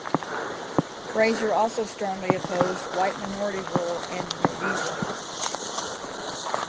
Fraser also strongly opposed white minority rule in Rhodesia.